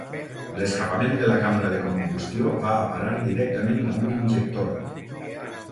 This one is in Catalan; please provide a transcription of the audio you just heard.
L'escapament de la cambra de combustió va a parar directament a un injector.